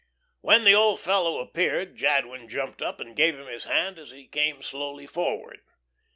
When the old fellow appeared Jadwin jumped up and gave him his hand as he came slowly forward.